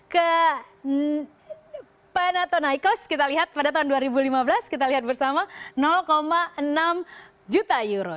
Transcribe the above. ke panatonichos kita lihat pada tahun dua ribu lima belas kita lihat bersama enam juta euro